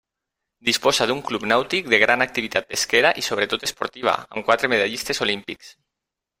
Disposa d'un club nàutic de gran activitat pesquera i sobretot esportiva, amb quatre medallistes olímpics.